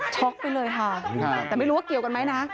ไปเลยค่ะแต่ไม่รู้ว่าเกี่ยวกันไหมนะ